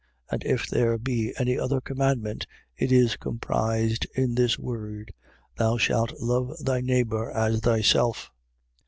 And if there be any other commandment, it is comprised in this word: Thou shalt love thy neighbour as thyself.